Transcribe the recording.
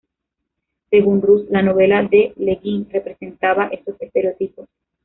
Según Russ, la novela de Le Guin representaba estos estereotipos.